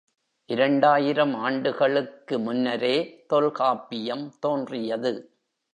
இரண்டாயிரம் ஆண்டுகளுக்கு முன்னரே தொல்காப்பியம் தோன்றியது.